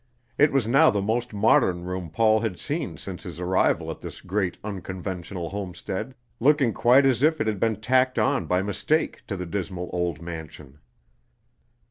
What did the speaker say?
It was now the most modern room Paul had seen since his arrival at this great unconventional homestead, looking quite as if it had been tacked on by mistake to the dismal old mansion.